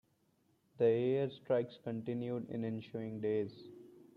The air strikes continued in ensuing days.